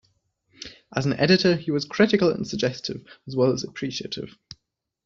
As an editor he was critical and suggestive, as well as appreciative.